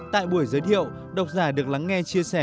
tại buổi giới thiệu độc giả được lắng nghe chia sẻ